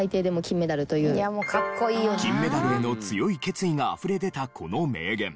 金メダルへの強い決意があふれ出たこの名言。